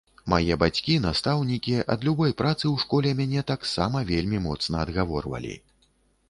Мае бацькі, настаўнікі, ад любой працы ў школе мяне таксама вельмі моцна адгаворвалі.